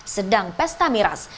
sedang pesta miras